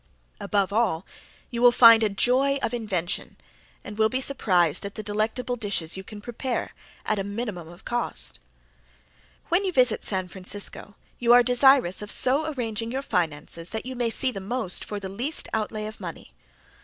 Above all you will find a joy of invention and will be surprised at the delectable dishes you can prepare at a minimum of cost. When you visit San Francisco you are desirous of so arranging your finances that you may see the most for the least outlay of money.